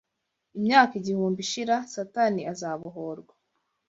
Imyaka igihumbi ishira, Satani azabohorwa